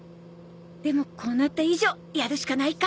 でもこうなった以上やるしかないか。